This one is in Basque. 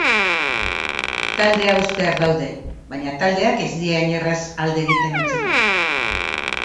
Taldea uztear daude, baina taldeak ez die hain erraz alde egiten utziko.